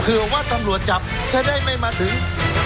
เผื่อว่าทองรวชจับจะได้ไม่มาถึง